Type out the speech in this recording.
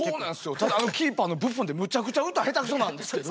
ただあのキーパーのブッフォンってむちゃくちゃ歌下手くそなんですけど。